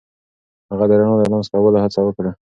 هغه د رڼا د لمس کولو هڅه وکړه.